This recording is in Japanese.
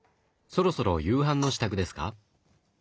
そろそろ夕飯の支度ですか？